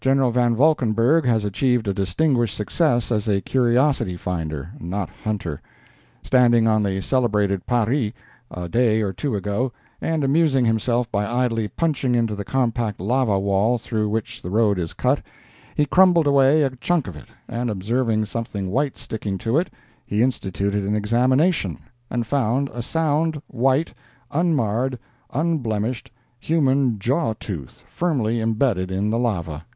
Van Valkenburgh has achieved a distinguished success as a curiosity finder—not hunter. Standing on the celebrated Pari, a day or two ago, and amusing himself by idly punching into the compact lava wall through which the road is cut, he crumbled away a chunk of it, and observing something white sticking to it, he instituted an examination, and found a sound, white, unmarred and unblemished human jaw tooth firmly imbedded in the lava!